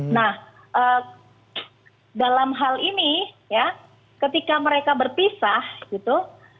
nah dalam hal ini ya ketika mereka berpisah gitu